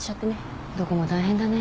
どこも大変だね。